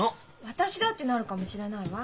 私だってなるかもしれないわ！